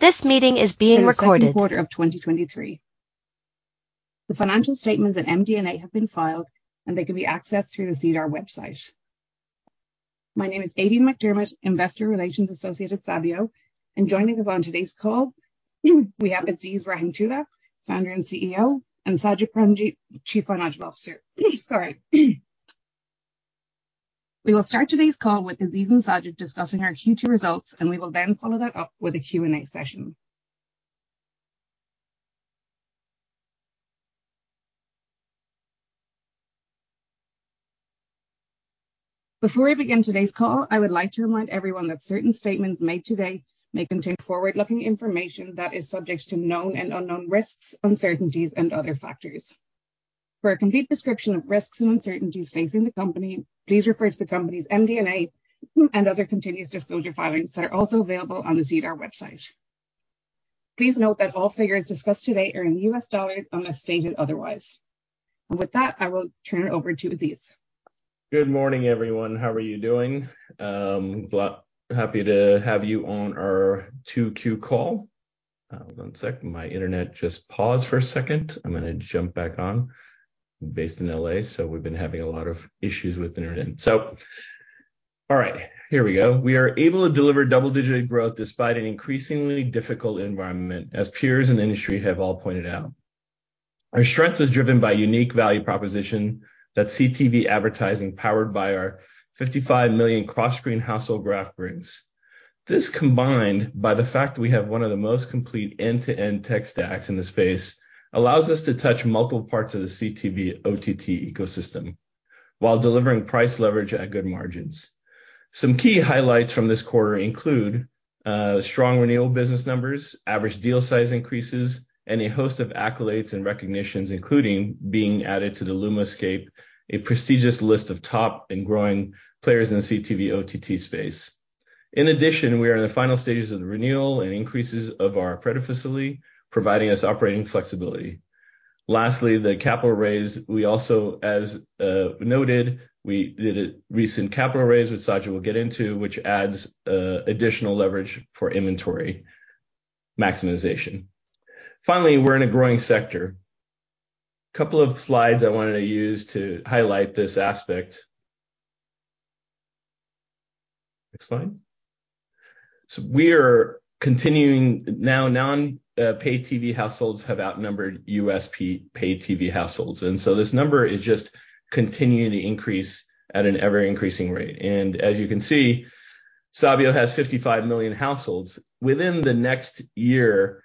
This meeting is being recorded. The second quarter of 2023. The financial statements at MD&A have been filed, and they can be accessed through the SEDAR website. My name is Aideen McDermott, Investor Relations Associate at Sabio, and joining us on today's call, we have Aziz Rahimtoola, Founder and CEO, and Sajid Premji, Chief Financial Officer. Sorry. We will start today's call with Aziz and Sajid discussing our Q2 results, and we will then follow that up with a Q&A session. Before we begin today's call, I would like to remind everyone that certain statements made today may contain forward-looking information that is subject to known and unknown risks, uncertainties, and other factors. For a complete description of risks and uncertainties facing the company, please refer to the company's MD&A and other continuous disclosure filings that are also available on the SEDAR website. Please note that all figures discussed today are in US dollars unless stated otherwise. With that, I will turn it over to Aziz. Good morning, everyone. How are you doing? Glad, happy to have you on our 2Q call. one sec, my internet just paused for a second. I'm gonna jump back on. I'm based in L.A., we've been having a lot of issues with internet. All right, here we go. We are able to deliver double-digit growth despite an increasingly difficult environment, as peers in the industry have all pointed out. Our strength is driven by unique value proposition that CTV advertising, powered by our 55 million cross-screen household graph, brings. This, combined by the fact that we have one of the most complete end-to-end tech stacks in the space, allows us to touch multiple parts of the CTV/OTT ecosystem while delivering price leverage at good margins. Some key highlights from this quarter include strong renewal business numbers, average deal size increases, and a host of accolades and recognitions, including being added to the LUMAscape, a prestigious list of top and growing players in the CTV/OTT space. We are in the final stages of the renewal and increases of our credit facility, providing us operating flexibility. Lastly, the capital raise. We also, as noted, we did a recent capital raise, which Sajid will get into, which adds additional leverage for inventory maximization. Finally, we're in a growing sector. Couple of slides I wanted to use to highlight this aspect. Next slide. We are continuing... Now, non-paid TV households have outnumbered U.S. paid TV households, this number is just continuing to increase at an ever-increasing rate. As you can see, Sabio has 55 million households. Within the next year,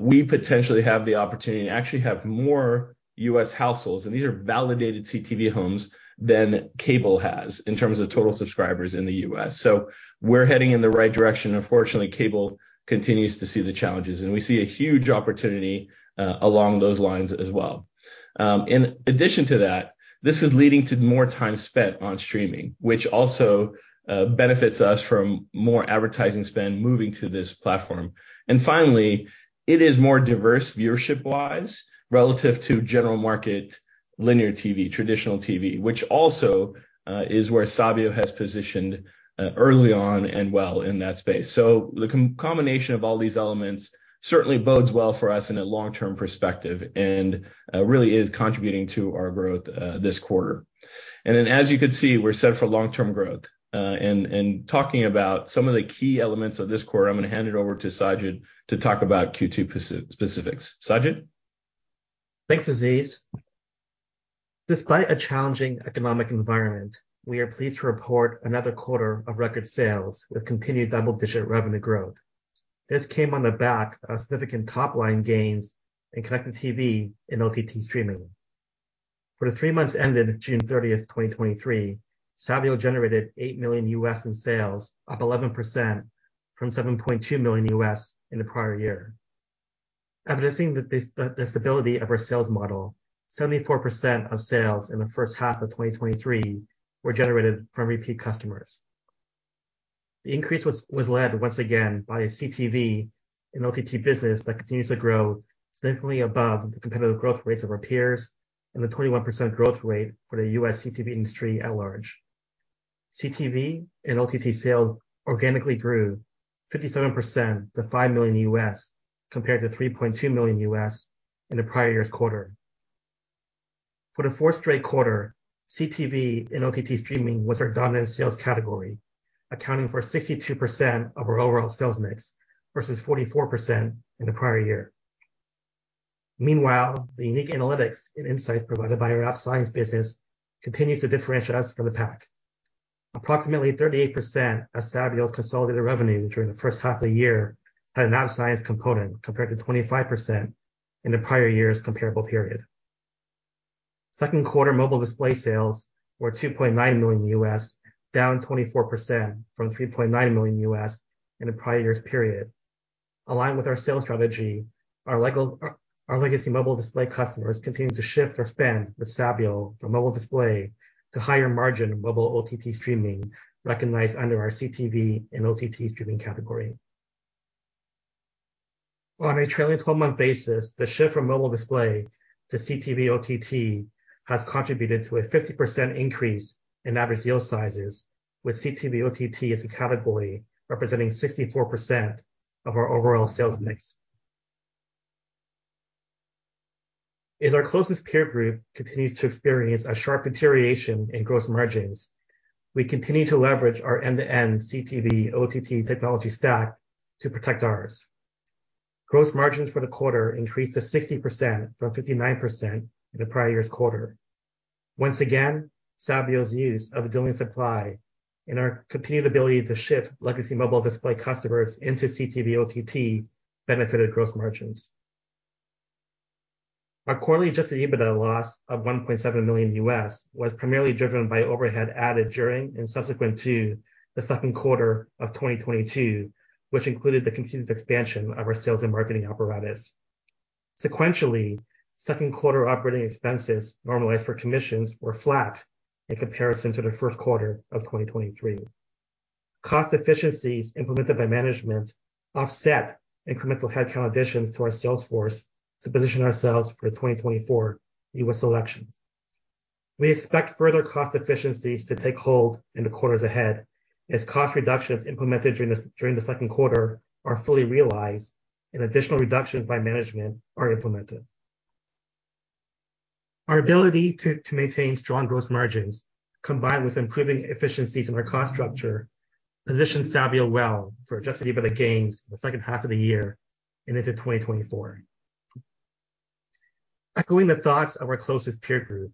we potentially have the opportunity to actually have more US households, and these are validated CTV homes, than cable has in terms of total subscribers in the U.S. We're heading in the right direction. Unfortunately, cable continues to see the challenges, and we see a huge opportunity along those lines as well. In addition to that, this is leading to more time spent on streaming, which also benefits us from more advertising spend moving to this platform. Finally, it is more diverse viewership-wise, relative to general market, linear TV, traditional TV, which also is where Sabio has positioned early on and well in that space. The combination of all these elements certainly bodes well for us in a long-term perspective and really is contributing to our growth this quarter. Then, as you can see, we're set for long-term growth. talking about some of the key elements of this quarter, I'm gonna hand it over to Sajid to talk about Q2 specifics. Sajid? Thanks, Aziz. Despite a challenging economic environment, we are pleased to report another quarter of record sales with continued double-digit revenue growth. This came on the back of significant top-line gains in connected TV and OTT streaming. For the three months ended June thirtieth, 2023, Sabio generated $8 million in sales, up 11% from $7.2 million in the prior year. Evidencing the stability of our sales model, 74% of sales in the first half of 2023 were generated from repeat customers. The increase was led once again by a CTV and OTT business that continues to grow significantly above the competitive growth rates of our peers and the 21% growth rate for the US CTV industry at large. CTV and OTT sales organically grew 57% to $5 million, compared to $3.2 million in the prior year's quarter. For the fourth straight quarter, CTV and OTT streaming was our dominant sales category, accounting for 62% of our overall sales mix versus 44% in the prior year. Meanwhile, the unique analytics and insights provided by our AppScience business continues to differentiate us from the pack. Approximately 38% of Sabio's consolidated revenue during the first half of the year had an AppScience component, compared to 25% in the prior year's comparable period. Second quarter mobile display sales were $2.9 million, down 24% from $3.9 million in the prior year's period. Aligned with our sales strategy, our legal... our legacy mobile display customers continued to shift their spend with Sabio from mobile display to higher-margin mobile OTT streaming, recognized under our CTV and OTT streaming category. On a trailing 12-month basis, the shift from mobile display to CTV OTT has contributed to a 50% increase in average deal sizes, with CTV OTT as a category representing 64% of our overall sales mix. As our closest peer group continues to experience a sharp deterioration in gross margins, we continue to leverage our end-to-end CTV OTT technology stack to protect ours. Gross margins for the quarter increased to 60% from 59% in the prior year's quarter. Once again, Sabio's use of Vidillion supply and our continued ability to shift legacy mobile display customers into CTV OTT benefited gross margins. Our quarterly adjusted EBITDA loss of $1.7 million, was primarily driven by overhead added during and subsequent to the second quarter of 2022, which included the continued expansion of our sales and marketing apparatus. Sequentially, second quarter operating expenses, normalized for commissions, were flat in comparison to the first quarter of 2023. Cost efficiencies implemented by management offset incremental headcount additions to our sales force to position ourselves for the 2024 U.S. election. We expect further cost efficiencies to take hold in the quarters ahead as cost reductions implemented during the second quarter are fully realized and additional reductions by management are implemented. Our ability to maintain strong gross margins, combined with improving efficiencies in our cost structure, positions Sabio well for adjusted EBITDA gains in the second half of the year and into 2024. Echoing the thoughts of our closest peer group,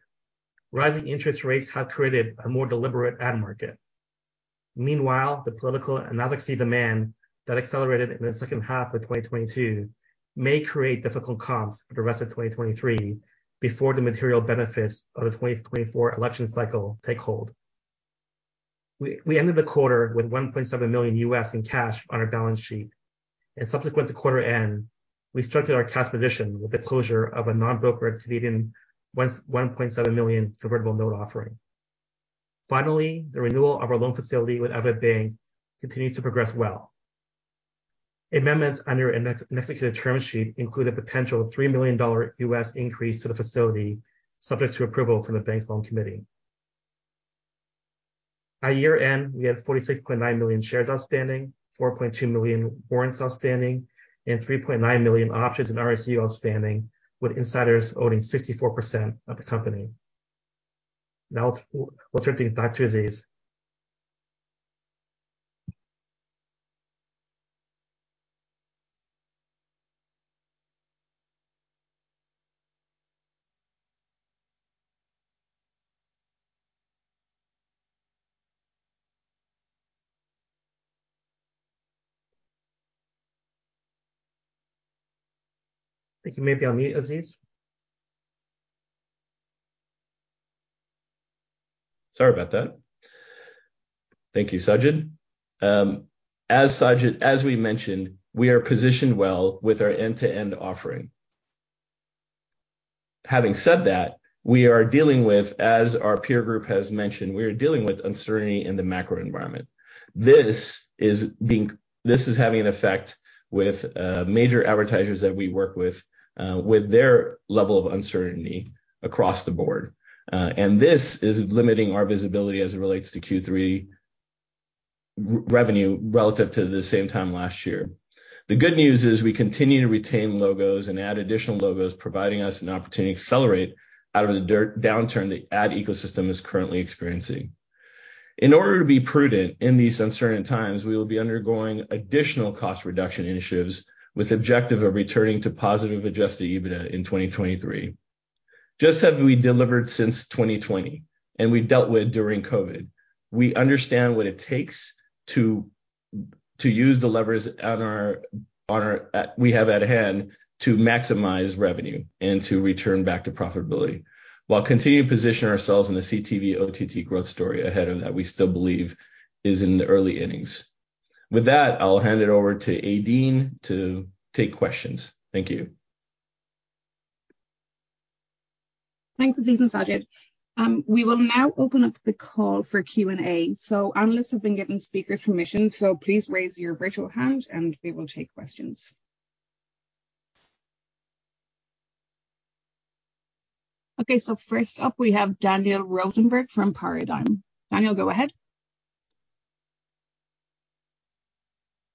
rising interest rates have created a more deliberate ad market. Meanwhile, the political and advocacy demand that accelerated in the second half of 2022 may create difficult comps for the rest of 2023, before the material benefits of the 2024 election cycle take hold. We ended the quarter with 1.7 million U.S. in cash on our balance sheet, and subsequent to quarter end, we strengthened our cash position with the closure of a non-brokered 1.7 million convertible note offering. Finally, the renewal of our loan facility with Avidbank continues to progress well. Amendments under a negotiated term sheet include a potential $3 million US increase to the facility, subject to approval from the bank's loan committee. At year-end, we had 46.9 million shares outstanding, 4.2 million warrants outstanding, and 3.9 million options and RSU outstanding, with insiders owning 64% of the company. Now, we'll, we'll turn things back to Aziz. I think you may be on mute, Aziz. Sorry about that. Thank you, Sajid. As Sajid, as we mentioned, we are positioned well with our end-to-end offering. Having said that, we are dealing with, as our peer group has mentioned, we are dealing with uncertainty in the macro environment. This is having an effect with major advertisers that we work with, with their level of uncertainty across the board. This is limiting our visibility as it relates to Q3 revenue relative to the same time last year. The good news is we continue to retain logos and add additional logos, providing us an opportunity to accelerate out of the downturn the ad ecosystem is currently experiencing. In order to be prudent in these uncertain times, we will be undergoing additional cost reduction initiatives, with the objective of returning to positive adjusted EBITDA in 2023. Just as have we delivered since 2020, and we've dealt with during COVID, we understand what it takes to use the levers on our, on our, we have at hand to maximize revenue and to return back to profitability, while continuing to position ourselves in the CTV/OTT growth story ahead, and that we still believe is in the early innings. With that, I'll hand it over to Aideen to take questions. Thank you. Thanks, Aziz and Sajid. We will now open up the call for Q&A. Analysts have been given speakers permission, so please raise your virtual hand and we will take questions. First up, we have Daniel Rosenberg from Paradigm. Daniel, go ahead.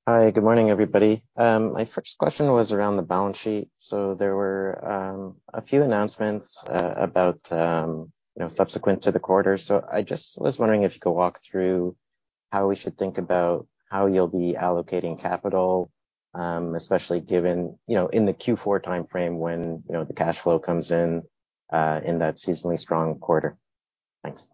Hi, good morning, everybody. My first question was around the balance sheet. There were a few announcements, about, you know, subsequent to the quarter. I just was wondering if you could walk through how we should think about how you'll be allocating capital, especially given, you know, in the Q4 timeframe, when, you know, the cash flow comes in, in that seasonally strong quarter. Thanks.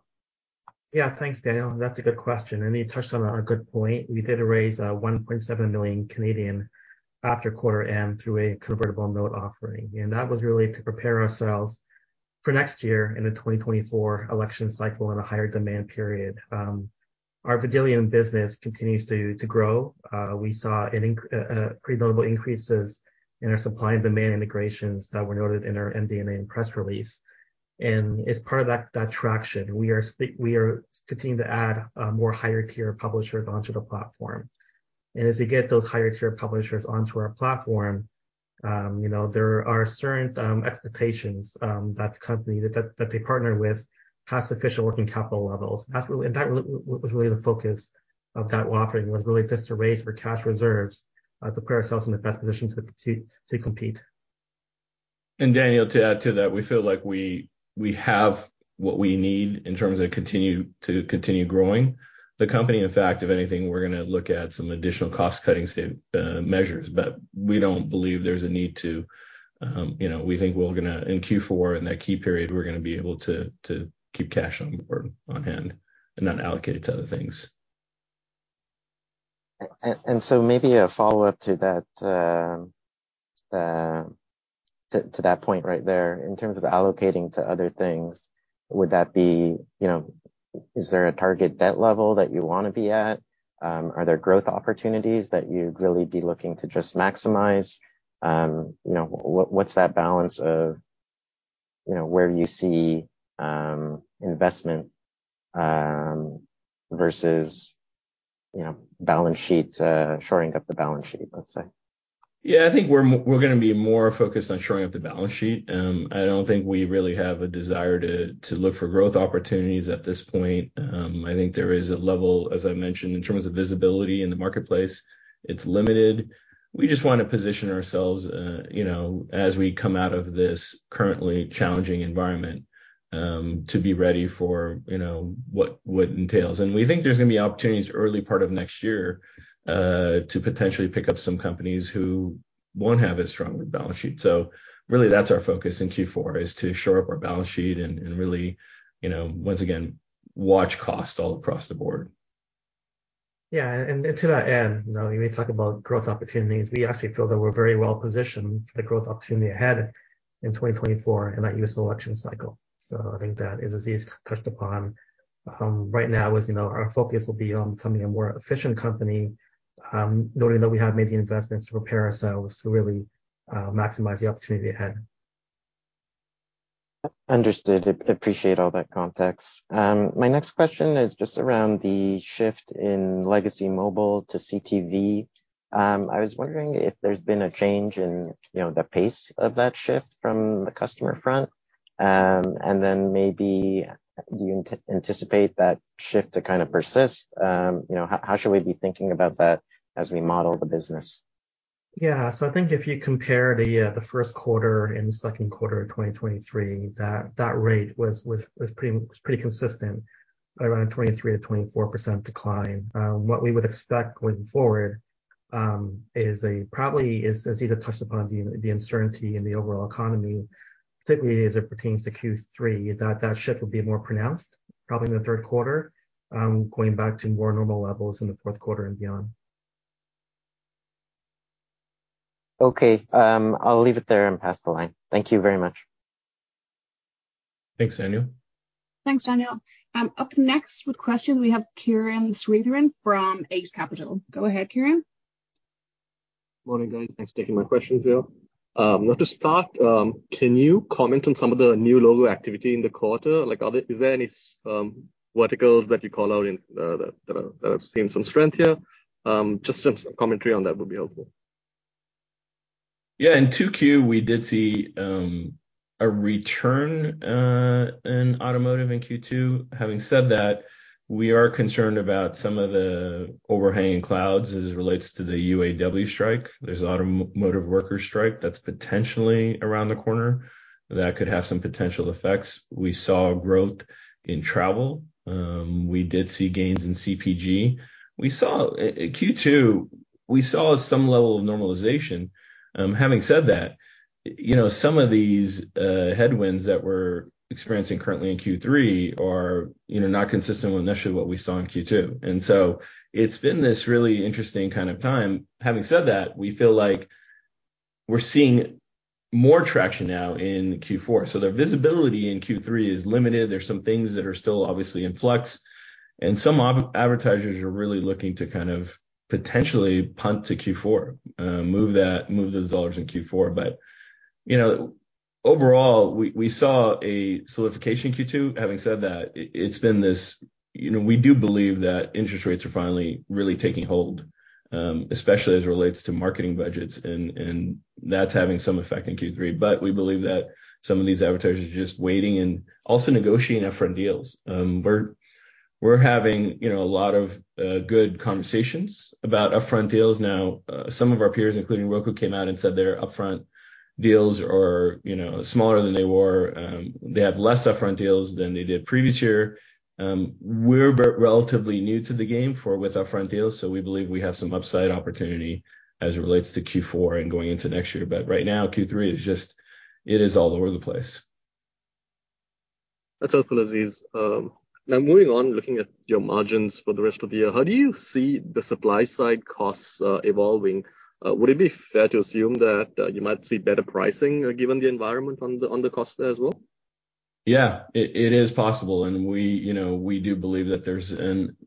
Yeah. Thanks, Daniel. That's a good question, and you touched on a good point. We did raise 1.7 million after quarter end through a convertible note offering, and that was really to prepare ourselves for next year in the 2024 election cycle and a higher demand period. Our Vidillion business continues to grow. We saw considerable increases in our supply and demand integrations that were noted in our MD&A press release. And as part of that traction, we are continuing to add more higher tier publishers onto the platform. And as we get those higher tier publishers onto our platform, you know, there are certain expectations that the company that they partner with has sufficient working capital levels. That's really, and that was really the focus of that offering, was really just to raise for cash reserves, to put ourselves in the best position to compete. Daniel, to add to that, we feel like we, we have what we need in terms of to continue growing the company. In fact, if anything, we're gonna look at some additional cost-cutting measures. We don't believe there's a need to, you know, we think we're gonna In Q4, in that key period, we're gonna be able to, to keep cash on board, on hand, and not allocate it to other things. So maybe a follow-up to that, to that point right there. In terms of allocating to other things, would that be, you know, is there a target debt level that you wanna be at? Are there growth opportunities that you'd really be looking to just maximize? You know, what, what's that balance of, you know, where you see investment versus, you know, balance sheet, shoring up the balance sheet, let's say? Yeah, I think we're gonna be more focused on shoring up the balance sheet. I don't think we really have a desire to look for growth opportunities at this point. I think there is a level, as I mentioned, in terms of visibility in the marketplace, it's limited. We just wanna position ourselves, you know, as we come out of this currently challenging environment, to be ready for, you know, what, what entails. We think there's gonna be opportunities early part of next year to potentially pick up some companies who won't have as strong a balance sheet. Really, that's our focus in Q4, is to shore up our balance sheet and really, you know, once again, watch costs all across the board. Yeah, and, and to that end, you know, when we talk about growth opportunities, we actually feel that we're very well positioned for the growth opportunity ahead in 2024 in that U.S. election cycle. I think that, as Aziz touched upon, right now, as you know, our focus will be on becoming a more efficient company, noting that we have made the investments to prepare ourselves to really maximize the opportunity ahead. Understood. Appreciate all that context. My next question is just around the shift in legacy mobile to CTV. I was wondering if there's been a change in, you know, the pace of that shift from the customer front? Maybe do you anticipate that shift to kind of persist? You know, how, how should we be thinking about that as we model the business? I think if you compare the first quarter and the second quarter of 2023, that, that rate was, was, was pretty, was pretty consistent, around a 23%-24% decline. What we would expect going forward is a probably, is, as Aziz touched upon the uncertainty in the overall economy, particularly as it pertains to Q3, is that that shift will be more pronounced, probably in the third quarter, going back to more normal levels in the fourth quarter and beyond. Okay, I'll leave it there and pass the line. Thank you very much. Thanks, Daniel. Thanks, Daniel. Up next with questions, we have Kiran Sridharan from Eight Capital. Go ahead, Kiran. Morning, guys. Thanks for taking my questions here. Well, to start, can you comment on some of the new logo activity in the quarter? Like, is there any, verticals that you call out in, that, that are, that have seen some strength here? Just some commentary on that would be helpful. Yeah, in 2Q, we did see a return in automotive in Q2. Having said that, we are concerned about some of the overhanging clouds as it relates to the UAW strike. There's an automotive workers strike that's potentially around the corner that could have some potential effects. We saw growth in travel. We did see gains in CPG. We saw Q2, we saw some level of normalization. Having said that, you know, some of these headwinds that we're experiencing currently in Q3 are, you know, not consistent with initially what we saw in Q2. It's been this really interesting kind of time. Having said that, we feel like we're seeing more traction now in Q4. The visibility in Q3 is limited. There's some things that are still obviously in flux, and some advertisers are really looking to kind of potentially punt to Q4, move that, move those dollars in Q4. You know, overall, we, we saw a solidification in Q2. Having said that, it's been this. You know, we do believe that interest rates are finally really taking hold, especially as it relates to marketing budgets, and that's having some effect in Q3. We believe that some of these advertisers are just waiting and also negotiating upfront deals. We're having, you know, a lot of good conversations about upfront deals now. Some of our peers, including Roku, came out and said their upfront deals are, you know, smaller than they were. They have less upfront deals than they did previous year. We're relatively new to the game for with our front deals, so we believe we have some upside opportunity as it relates to Q4 and going into next year. Right now, Q3 is just, it is all over the place. That's helpful, Aziz. Now moving on, looking at your margins for the rest of the year, how do you see the supply side costs evolving? Would it be fair to assume that you might see better pricing given the environment on the cost as well? Yeah, it, it is possible, we, you know, we do believe that there's.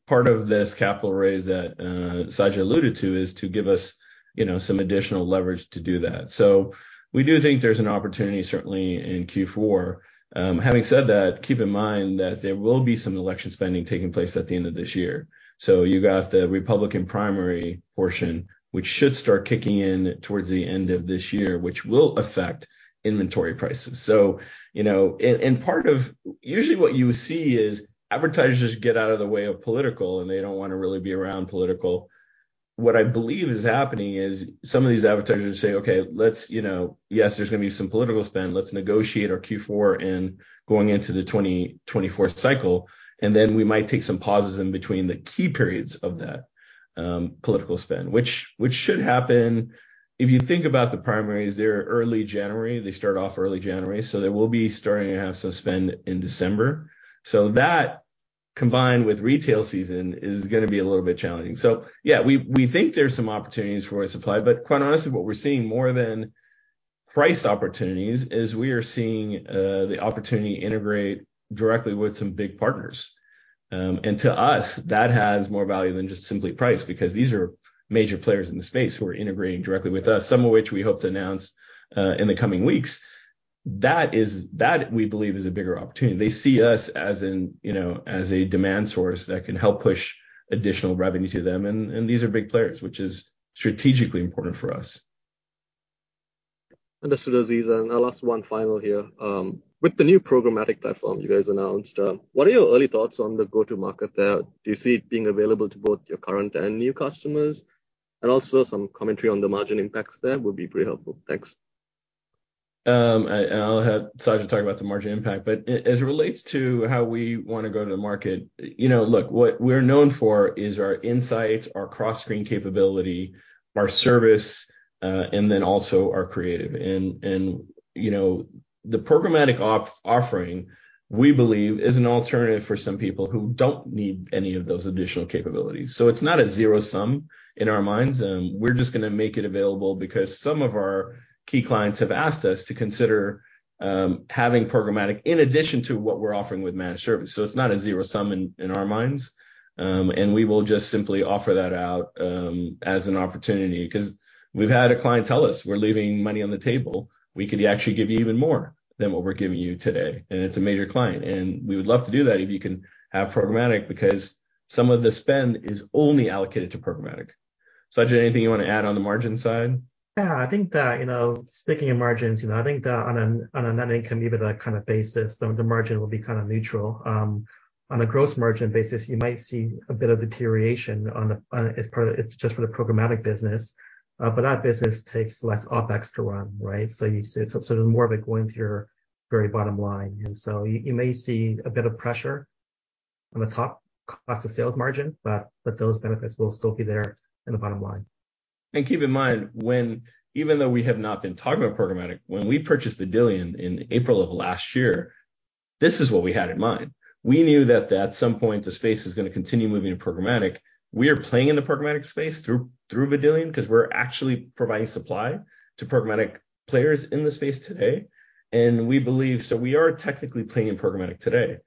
Part of this capital raise that Sajid alluded to, is to give us, you know, some additional leverage to do that. We do think there's an opportunity, certainly in Q4. Having said that, keep in mind that there will be some election spending taking place at the end of this year. You got the Republican primary portion, which should start kicking in towards the end of this year, which will affect inventory prices. You know, and, and part of-- usually what you see is advertisers get out of the way of political, and they don't wanna really be around political. What I believe is happening is some of these advertisers say: "Okay, let's, you know. Yes, there's gonna be some political spend. Let's negotiate our Q4 and going into the 2024 cycle, and then we might take some pauses in between the key periods of that political spend. Which, which should happen. If you think about the primaries, they're early January. They start off early January, so they will be starting to have some spend in December. That, combined with retail season, is gonna be a little bit challenging. Yeah, we, we think there's some opportunities for supply, but quite honestly, what we're seeing more than price opportunities, is we are seeing the opportunity to integrate directly with some big partners. To us, that has more value than just simply price, because these are major players in the space who are integrating directly with us, some of which we hope to announce in the coming weeks. That is, that we believe is a bigger opportunity. They see us as an, you know, as a demand source that can help push additional revenue to them. These are big players, which is strategically important for us. Understood, Aziz. I'll ask one final here. With the new programmatic platform you guys announced, what are your early thoughts on the go-to-market there? Do you see it being available to both your current and new customers? Also some commentary on the margin impacts there would be pretty helpful. Thanks. I'll have Sajid talk about the margin impact, but as it relates to how we wanna go to the market, you know, look, what we're known for is our insights, our cross-screen capability, our service, and then also our creative. You know, the programmatic offering, we believe, is an alternative for some people who don't need any of those additional capabilities. It's not a zero sum in our minds, we're just gonna make it available because some of our key clients have asked us to consider, having programmatic in addition to what we're offering with managed service. It's not a zero sum in, in our minds. We will just simply offer that out, as an opportunity, because we've had a client tell us: "We're leaving money on the table. We could actually give you even more than what we're giving you today." It's a major client, and we would love to do that if you can have programmatic, because some of the spend is only allocated to programmatic. Sajid, anything you want to add on the margin side? Yeah, I think that, you know, speaking of margins, you know, I think that on a, on a net income EBITDA kind of basis, the margin will be kind of neutral. On a gross margin basis, you might see a bit of deterioration on a, as part of just for the programmatic business. That business takes less OpEx to run, right? You sort of more of it going to your very bottom line. You, you may see a bit of pressure on the top class of sales margin, but those benefits will still be there in the bottom line. Keep in mind, even though we have not been talking about programmatic, when we purchased Vidillion in April of last year, this is what we had in mind. We knew that at some point, the space is gonna continue moving to programmatic. We are playing in the programmatic space through, through Vidillion, because we're actually providing supply to programmatic players in the space today, and we believe... We are technically playing in programmatic today.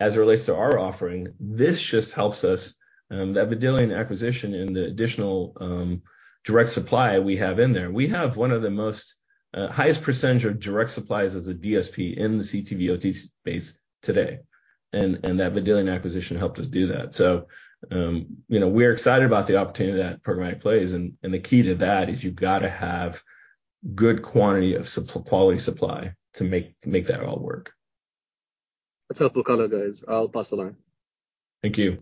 As it relates to our offering, this just helps us, that Vidillion acquisition and the additional direct supply we have in there. We have one of the most highest percentage of direct suppliers as a DSP in the CTV OT space today, and that Vidillion acquisition helped us do that. You know, we're excited about the opportunity that programmatic plays, and, and the key to that is you've got to have good quantity of quality supply to make, to make that all work. That's helpful color, guys. I'll pass along. Thank you.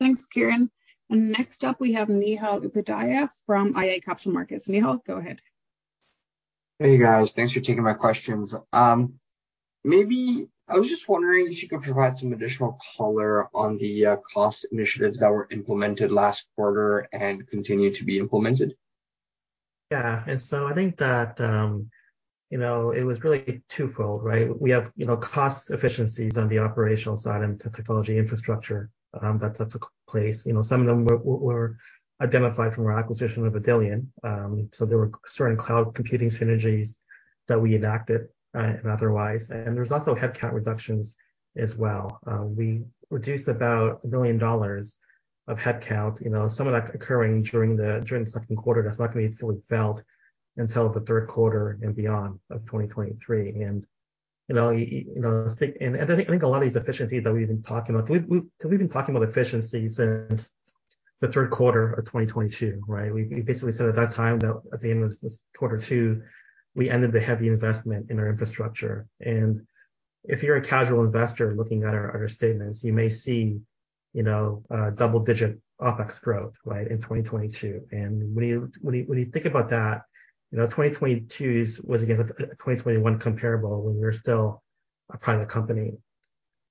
Thanks, Kiran. Next up, we have Nihal Upadhyaya from IA Capital Markets. Nihal, go ahead. Hey, guys. Thanks for taking my questions. Maybe I was just wondering if you could provide some additional color on the cost initiatives that were implemented last quarter and continue to be implemented? Yeah. I think that, you know, it was really twofold, right? We have, you know, cost efficiencies on the operational side and technology infrastructure, that's, that's in place. You know, some of them were, were identified from our acquisition of Vidillion. There were certain cloud computing synergies that we enacted, and otherwise. There's also headcount reductions as well. We reduced about $1 million of headcount, you know, some of that occurring during the, during the second quarter. That's not going to be fully felt until the third quarter and beyond of 2023. You know, I think, I think a lot of these efficiencies that we've been talking about, we've, we've been talking about efficiencies since the third quarter of 2022, right? We basically said at that time that at the end of this Q2, we ended the heavy investment in our infrastructure. If you're a casual investor looking at our other statements, you may see, you know, double-digit OpEx growth, right, in 2022. When you think about that, you know, 2022's was, again, a 2021 comparable when we were still a private company.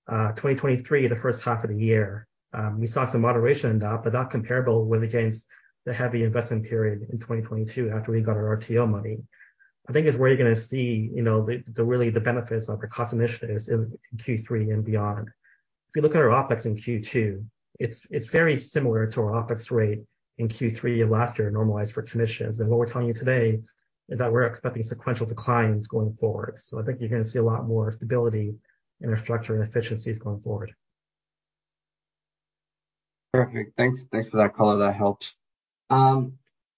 2023, the first half of the year, we saw some moderation in that. Not comparable with, again, the heavy investment period in 2022 after we got our RTO money. I think it's where you're gonna see, you know, the really, the benefits of the cost initiatives in Q3 and beyond. If you look at our OpEx in Q2, it's, it's very similar to our OpEx rate in Q3 of last year, normalized for commissions. What we're telling you today is that we're expecting sequential declines going forward. I think you're gonna see a lot more stability in our structure and efficiencies going forward. Perfect. Thanks, thanks for that color. That helps.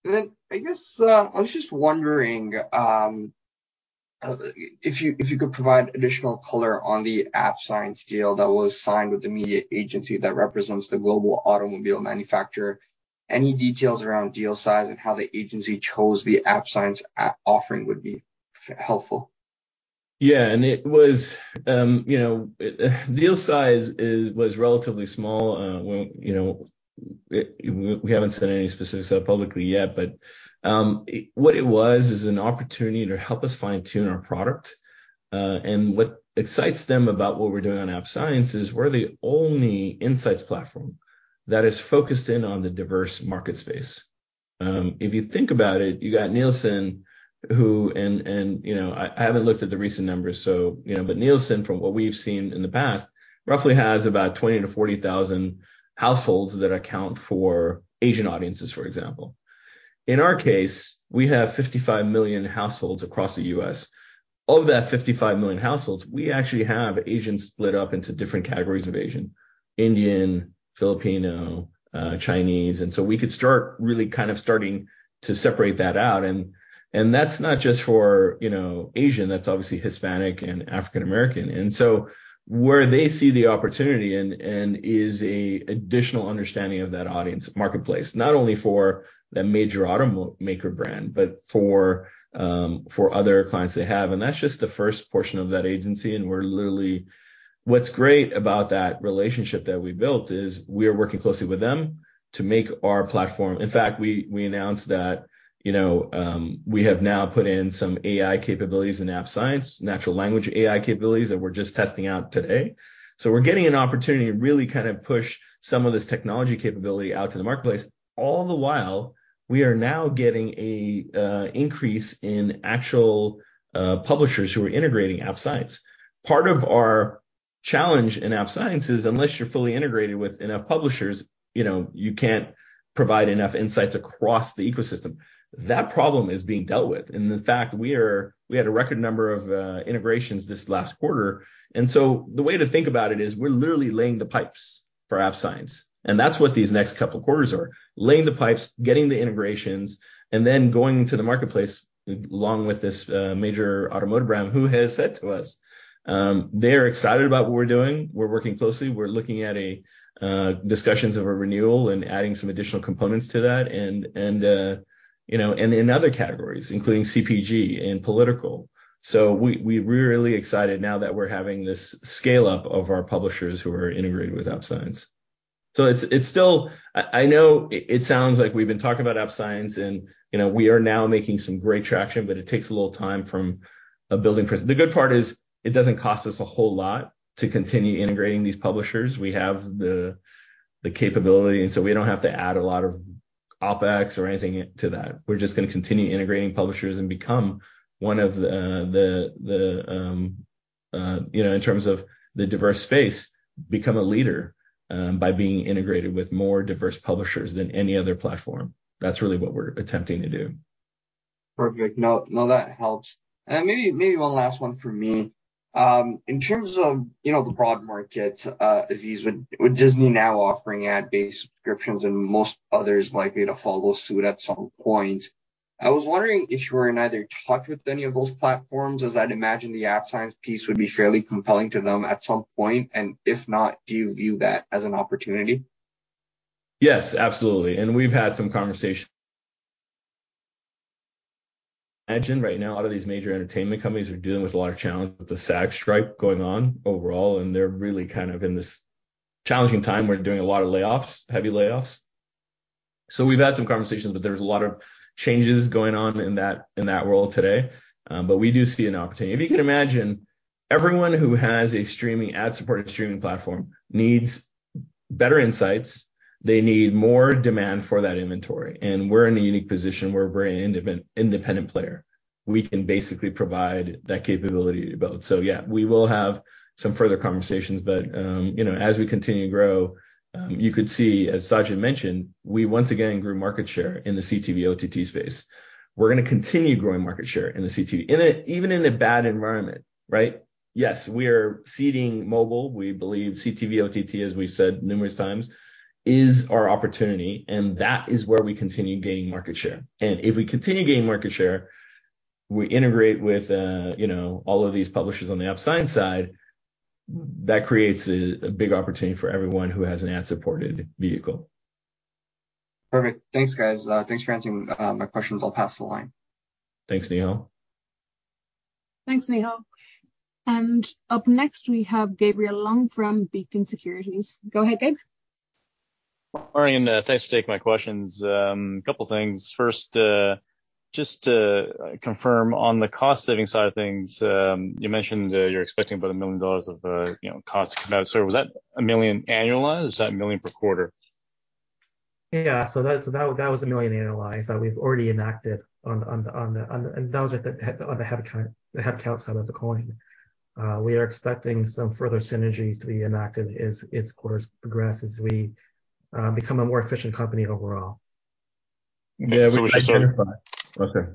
I guess, I was just wondering, if you, if you could provide additional color on the AppScience deal that was signed with the media agency that represents the global automobile manufacturer. Any details around deal size and how the agency chose the AppScience offering would be helpful? Yeah, and it was, you know, deal size is, was relatively small. Well, you know, it, we, we haven't said any specifics out publicly yet, but, it, what it was is an opportunity to help us fine-tune our product. What excites them about what we're doing on AppScience is we're the only insights platform that is focused in on the diverse market space. If you think about it, you got Nielsen, who... and, and, you know, I, I haven't looked at the recent numbers, so, you know, but Nielsen, from what we've seen in the past, roughly has about 20,000-40,000 households that account for Asian audiences, for example. In our case, we have 55 million households across the U.S. Of that 55 million households, we actually have Asians split up into different categories of Asian: Indian, Filipino, Chinese. So we could start really kind of starting to separate that out, and that's not just for, you know, Asian, that's obviously Hispanic and African American. So where they see the opportunity and is an additional understanding of that audience marketplace, not only for the major auto maker brand, but for other clients they have. That's just the first portion of that agency, and we're literally... What's great about that relationship that we built is we are working closely with them to make our platform. In fact, we announced that, you know, we have now put in some AI capabilities in AppScience, natural language AI capabilities that we're just testing out today. We're getting an opportunity to really kind of push some of this technology capability out to the marketplace. All the while, we are now getting a increase in actual publishers who are integrating AppScience. Part of our challenge in AppScience is, unless you're fully integrated with enough publishers, you know, you can't provide enough insights across the ecosystem. That problem is being dealt with. In fact, we had a record number of integrations this last quarter. The way to think about it is we're literally laying the pipes for AppScience, and that's what these next couple of quarters are, laying the pipes, getting the integrations, and then going to the marketplace, along with this major automotive brand, who has said to us, they are excited about what we're doing. We're working closely. We're looking at a discussions of a renewal and adding some additional components to that and, and, you know, and in other categories, including CPG and political. We, we're really excited now that we're having this scale-up of our publishers who are integrated with AppScience. It's, it's still... I, I know it sounds like we've been talking about AppScience and, you know, we are now making some great traction, but it takes a little time from a building person. The good part is, it doesn't cost us a whole lot to continue integrating these publishers. We have the, the capability, and so we don't have to add a lot of OpEx or anything in to that. We're just gonna continue integrating publishers and become one of the, the, the, you know, in terms of the diverse space, become a leader, by being integrated with more diverse publishers than any other platform. That's really what we're attempting to do. Perfect. No, no, that helps. Maybe, maybe one last one for me. In terms of, you know, the broad market, Aziz would, with Disney now offering ad-based subscriptions and most others likely to follow suit at some point, I was wondering if you were in either touch with any of those platforms, as I'd imagine the AppScience piece would be fairly compelling to them at some point. If not, do you view that as an opportunity? Yes, absolutely. We've had some conversation. Imagine right now, a lot of these major entertainment companies are dealing with a lot of challenge with the SAG strike going on overall. They're really kind of in this challenging time where they're doing a lot of layoffs, heavy layoffs. We've had some conversations. There's a lot of changes going on in that, in that world today. We do see an opportunity. If you can imagine, everyone who has a streaming, ad-supported streaming platform needs better insights. They need more demand for that inventory. We're in a unique position where we're an independent player. We can basically provide that capability to both. Yeah, we will have some further conversations, but, you know, as we continue to grow, you could see, as Sajid mentioned, we once again grew market share in the CTV OTT space. We're gonna continue growing market share in the CTV. Even in a bad environment, right? Yes, we are seeding mobile. We believe CTV OTT, as we've said numerous times, is our opportunity, and that is where we continue gaining market share. If we continue gaining market share, we integrate with, you know, all of these publishers on the AppScience side, that creates a big opportunity for everyone who has an ad-supported vehicle. Perfect. Thanks, guys. Thanks for answering my questions. I'll pass the line. Thanks, Nihal. Thanks, Nihal. Up next, we have Gabriel Leung from Beacon Securities. Go ahead, Gabe. Morning, thanks for taking my questions. A couple of things. First, just to confirm on the cost-saving side of things, you mentioned you're expecting about $1 million of, you know, cost to come out. Was that $1 million annualized, or is that $1 million per quarter? Yeah, that was $1 million annualized that we've already enacted on the headcount side of the coin. We are expecting some further synergies to be enacted as quarters progress, as we become a more efficient company overall. Yeah, we've identified. Okay.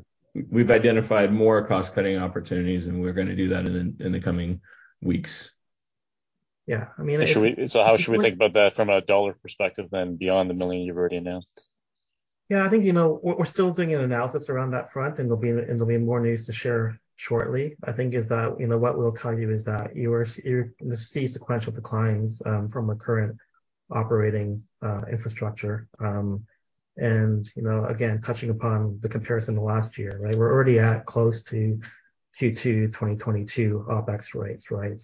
We've identified more cost-cutting opportunities, and we're gonna do that in, in the coming weeks. Yeah, I mean- How should we think about that from a CAD perspective, then, beyond the 1 million you've already announced? Yeah, I think, you know, we're, we're still doing an analysis around that front, and there'll be, and there'll be more news to share shortly. I think, you know, what we'll tell you is that you're gonna see sequential declines from a current operating infrastructure. You know, again, touching upon the comparison to last year, right? We're already at close to Q2 2022 OpEx rates, right?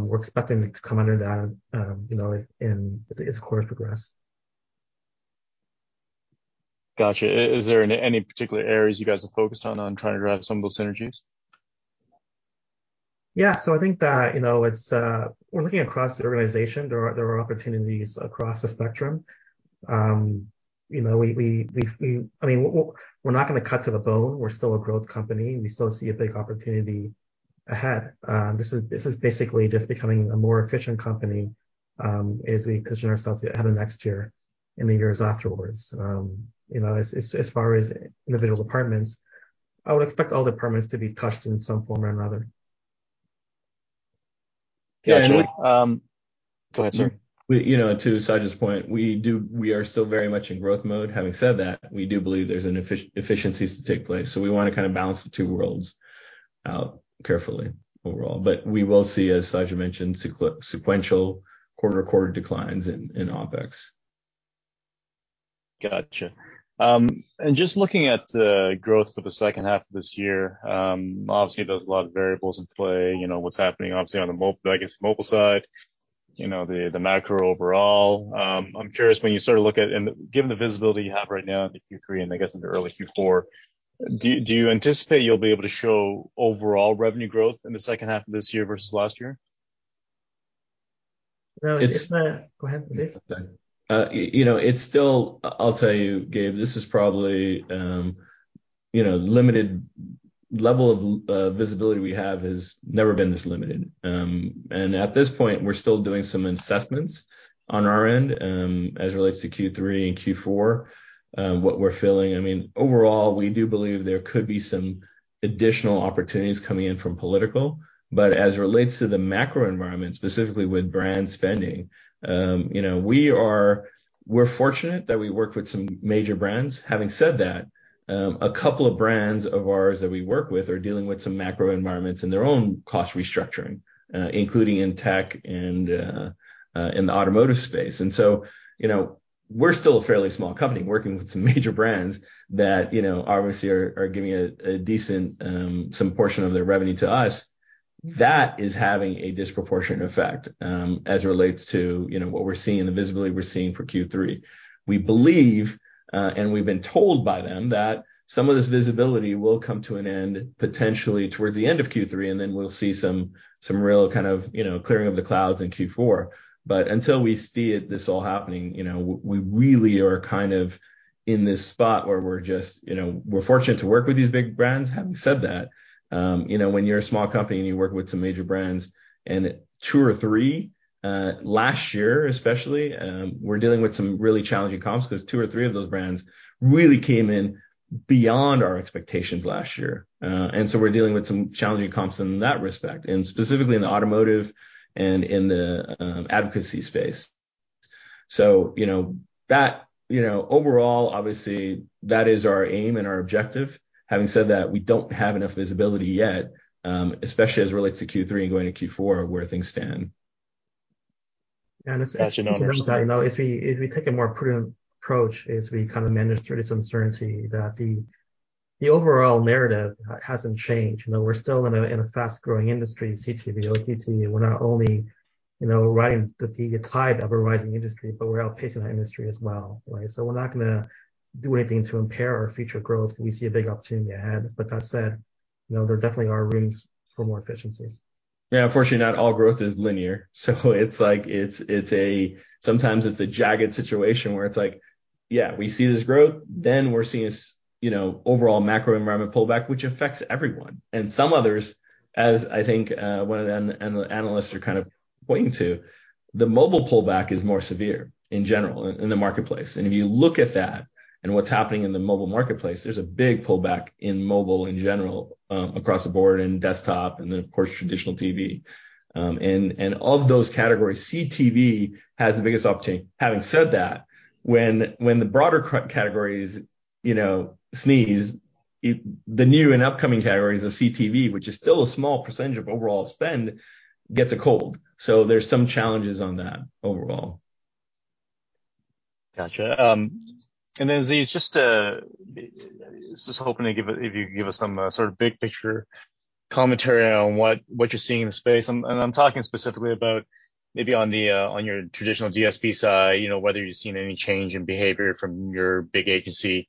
We're expecting to come under that, you know, in as the quarter progress. Gotcha. Is there any particular areas you guys have focused on, on trying to drive some of those synergies? Yeah. I think that, you know, it's... We're looking across the organization. There are, there are opportunities across the spectrum. You know, we, we, we, we-- I mean, we're, we're not gonna cut to the bone. We're still a growth company. We still see a big opportunity ahead. This is, this is basically just becoming a more efficient company, as we position ourselves ahead of next year and the years afterwards. You know, as, as far as individual departments, I would expect all the departments to be touched in some form or another. Yeah, we. Go ahead, sir. We, you know, to Sajid's point, we are still very much in growth mode. Having said that, we do believe there's an efficiencies to take place, so we wanna kind of balance the two worlds out carefully overall. We will see, as Sajid mentioned, sequential quarter-to-quarter declines in OpEx. Gotcha. Just looking at growth for the second half of this year, obviously, there's a lot of variables in play. You know, what's happening obviously on the mobile side, you know, the, the macro overall. I'm curious, when you sort of look at and given the visibility you have right now in the Q3 and in the early Q4, do, do you anticipate you'll be able to show overall revenue growth in the second half of this year versus last year? Well, it's... Go ahead, please. You know, it's still... I'll tell you, Gabe, this is probably, you know, limited level of visibility we have has never been this limited. At this point, we're still doing some assessments on our end, as it relates to Q3 and Q4. What we're feeling, I mean, overall, we do believe there could be some additional opportunities coming in from political. As it relates to the macro environment, specifically with brand spending, you know, we are- we're fortunate that we work with some major brands. Having said that, a couple of brands of ours that we work with are dealing with some macro environments in their own cost restructuring, including in tech and in the automotive space. You know, we're still a fairly small company working with some major brands that, you know, obviously are, are giving a, a decent, some portion of their revenue to us. That is having a disproportionate effect, as it relates to, you know, what we're seeing, the visibility we're seeing for Q3. We believe, and we've been told by them, that some of this visibility will come to an end potentially towards the end of Q3, and then we'll see some, some real kind of, you know, clearing of the clouds in Q4. Until we see it, this all happening, you know, we really are kind of in this spot where we're just. You know, we're fortunate to work with these big brands. Having said that, you know, when you're a small company and you work with some major brands, and two or three, last year especially, were dealing with some really challenging comps, 'cause two or three of those brands really came in beyond our expectations last year. We're dealing with some challenging comps in that respect, and specifically in the automotive and in the advocacy space. You know, overall, obviously, that is our aim and our objective. Having said that, we don't have enough visibility yet, especially as it relates to Q3 and going to Q4, where things stand. And it's- As you know. If we, if we take a more prudent approach as we kind of manage through this uncertainty, that the, the overall narrative hasn't changed. You know, we're still in a, in a fast-growing industry, CTV, OTT. We're not only, you know, riding the, the tide of a rising industry, but we're outpacing the industry as well, right? We're not gonna do anything to impair our future growth, and we see a big opportunity ahead. That said, you know, there definitely are rooms for more efficiencies. Yeah, unfortunately, not all growth is linear. It's like it's a sometimes it's a jagged situation where it's like, yeah, we see this growth, then we're seeing this, you know, overall macro environment pullback, which affects everyone. Some others, as I think, one of the analysts are kind of pointing to, the mobile pullback is more severe in general, in the marketplace. If you look at that and what's happening in the mobile marketplace, there's a big pullback in mobile in general, across the board, in desktop and then, of course, traditional TV. Of those categories, CTV has the biggest opportunity. Having said that, when the broader categories, you know, sneeze, the new and upcoming categories of CTV, which is still a small percentage of overall spend, gets a cold. There's some challenges on that overall. Gotcha. Then, Z, just to, just hoping to give, if you could give us some, sort of big picture commentary on what, what you're seeing in the space. And I'm talking specifically about maybe on the, on your traditional DSP side, you know, whether you've seen any change in behavior from your big agency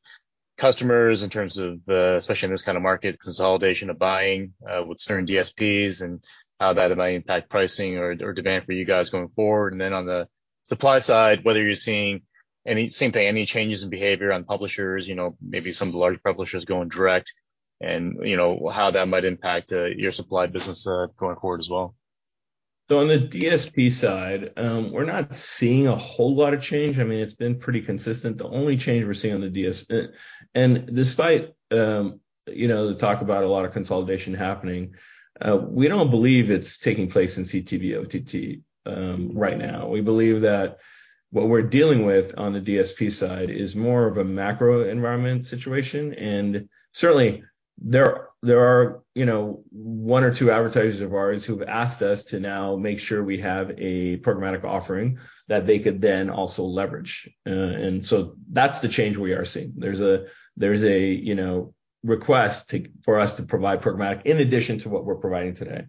customers in terms of, especially in this kind of market, consolidation of buying, with certain DSPs, and how that might impact pricing or, or demand for you guys going forward. Then on the supply side, whether you're seeing any, same thing, any changes in behavior on publishers, you know, maybe some of the large publishers going direct, and, you know, how that might impact, your supply business, going forward as well. On the DSP side, we're not seeing a whole lot of change. I mean, it's been pretty consistent. The only change we're seeing on the DSP and despite, you know, the talk about a lot of consolidation happening, we don't believe it's taking place in CTV OTT right now. We believe that what we're dealing with on the DSP side is more of a macro environment situation, and certainly there, there are, you know, one or two advertisers of ours who've asked us to now make sure we have a programmatic offering that they could then also leverage. And so that's the change we are seeing. There's a, there's a, you know, request for us to provide programmatic, in addition to what we're providing today.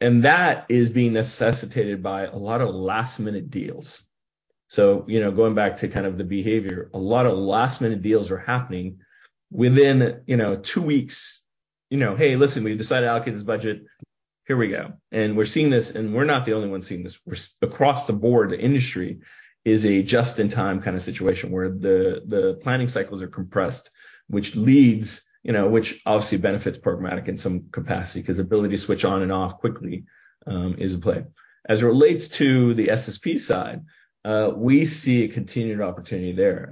And that is being necessitated by a lot of last-minute deals. you know, going back to kind of the behavior, a lot of last-minute deals are happening within, you know, two weeks. You know, "Hey, listen, we've decided to allocate this budget. Here we go." We're seeing this, and we're not the only ones seeing this. We're across the board, the industry is a just-in-time kind of situation where the, the planning cycles are compressed, which leads, you know, which obviously benefits programmatic in some capacity, 'cause the ability to switch on and off quickly, is in play. As it relates to the SSP side, we see a continued opportunity there.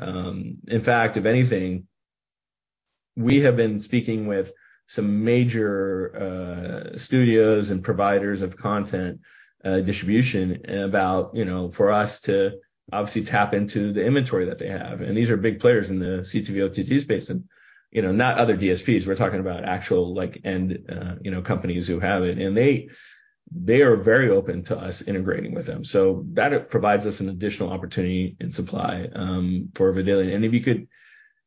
In fact, if anything, we have been speaking with some major studios and providers of content distribution about, you know, for us to obviously tap into the inventory that they have. These are big players in the CTV/OTT space and, you know, not other DSPs. We're talking about actual, like, end, you know, companies who have it, and they, they are very open to us integrating with them. That provides us an additional opportunity in supply for Vidillion. If you could,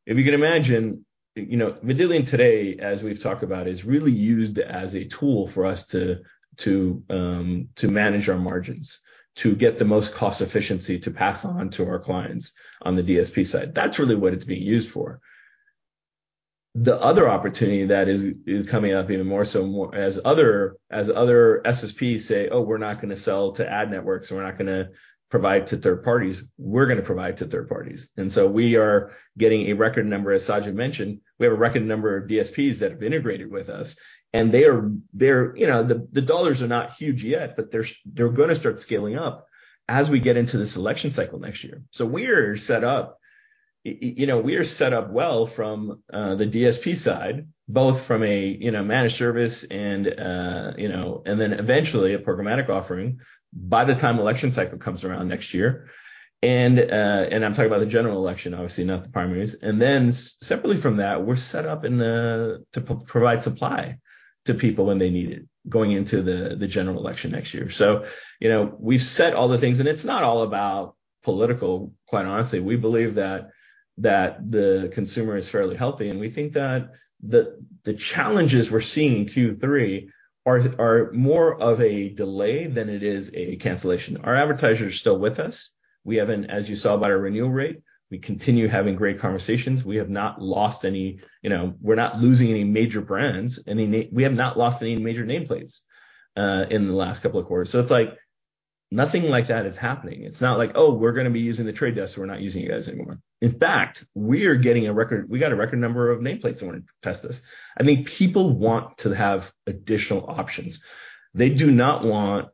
if you could imagine, you know, Vidillion today, as we've talked about, is really used as a tool for us to, to manage our margins, to get the most cost efficiency to pass on to our clients on the DSP side. That's really what it's being used for. The other opportunity that is, is coming up even more so, more as other, as other SSPs say, "Oh, we're not gonna sell to ad networks, and we're not gonna provide to third parties." We're gonna provide to third parties. We are getting a record number, as Sajid mentioned, we have a record number of DSPs that have integrated with us, and they're... You know, the, the dollars are not huge yet, but they're, they're gonna start scaling up as we get into this election cycle next year. We're set up, you know, we are set up well from the DSP side, both from a, you know, managed service and, you know, and then eventually a programmatic offering by the time election cycle comes around next year. I'm talking about the general election, obviously, not the primaries. Separately from that, we're set up in the, to provide supply to people when they need it, going into the, the general election next year. You know, we've set all the things, and it's not all about political, quite honestly. We believe that the consumer is fairly healthy. We think that the challenges we're seeing in Q3 are more of a delay than it is a cancellation. Our advertisers are still with us. We haven't, as you saw by our renewal rate, we continue having great conversations. We have not lost any, you know, we're not losing any major brands. We have not lost any major nameplates in the last couple of quarters. It's like, nothing like that is happening. It's not like, "Oh, we're gonna be using The Trade Desk. We're not using you guys anymore." In fact, we are getting a record number of nameplates that want to test this. I think people want to have additional options. They do not want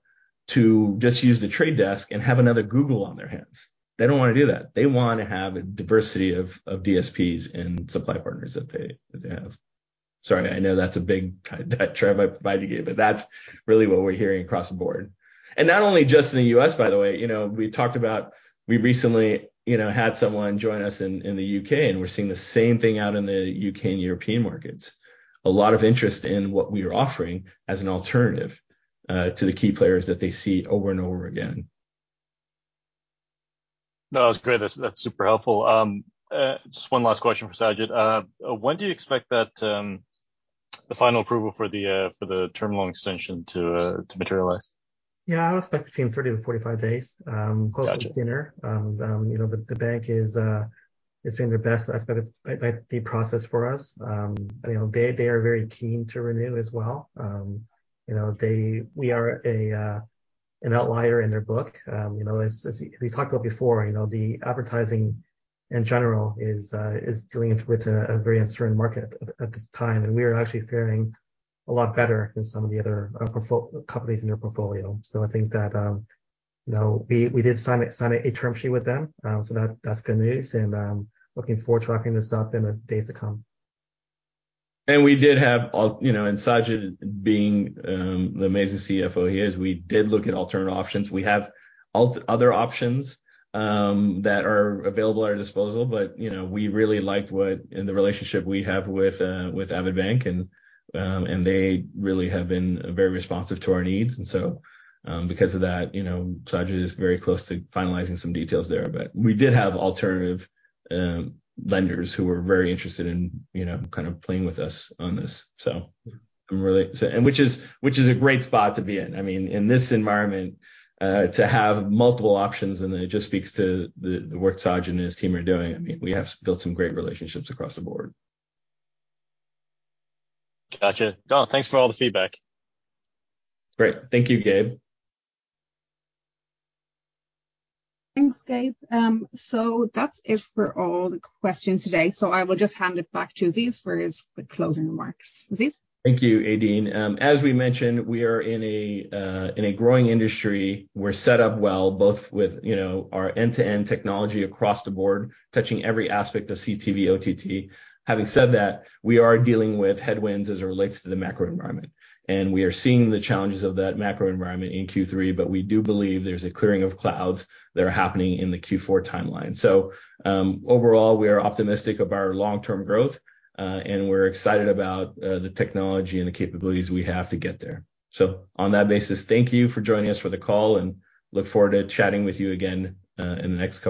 to just use The Trade Desk and have another Google on their hands. They don't wanna do that. They want to have a diversity of, of DSPs and supply partners that they, that they have. Sorry, I know that's a big kind of digression I provided you, but that's really what we're hearing across the board. Not only just in the U.S., by the way, you know, we talked about. We recently, you know, had someone join us in, in the U.K., and we're seeing the same thing out in the U.K. and European markets. A lot of interest in what we are offering as an alternative to the key players that they see over and over again. No, that's great. That's, that's super helpful. Just one last question for Sajid. When do you expect that the final approval for the term loan extension to materialize? Yeah, I would expect between 30 to 45 days, closer to the latter You know, the bank is doing their best as part of the process for us. You know, they are very keen to renew as well. You know, we are an outlier in their book. You know, as we talked about before, the advertising in general is dealing with a very uncertain market at this time, and we are actually faring a lot better than some of the other portfolio companies in their portfolio. So I think that, you know, we did sign a term sheet with them, so that's good news, and looking forward to wrapping this up in the days to come. We did have all, you know, and Sajid being the amazing CFO he is, we did look at alternate options. We have other options that are available at our disposal, but, you know, we really liked what, and the relationship we have with Avidbank, and they really have been very responsive to our needs. Because of that, you know, Sajid is very close to finalizing some details there. We did have alternative lenders who were very interested in, you know, kind of playing with us on this. I'm really. Which is, which is a great spot to be in. I mean, in this environment, to have multiple options, and it just speaks to the work Sajid and his team are doing. I mean, we have built some great relationships across the board. Gotcha. No, thanks for all the feedback. Great. Thank you, Gabe. Thanks, Gabe. That's it for all the questions today, so I will just hand it back to Aziz for his closing remarks. Aziz? Thank you, Aideen. As we mentioned, we are in a growing industry. We're set up well, both with, you know, our end-to-end technology across the board, touching every aspect of CTV, OTT. Having said that, we are dealing with headwinds as it relates to the macro environment, and we are seeing the challenges of that macro environment in Q3, but we do believe there's a clearing of clouds that are happening in the Q4 timeline. Overall, we are optimistic of our long-term growth, and we're excited about the technology and the capabilities we have to get there. On that basis, thank you for joining us for the call, and look forward to chatting with you again in the next couple-